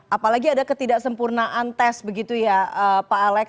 apalagi ada ketidaksempurnaan tes begitu ya pak alex